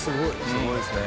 すごいですね。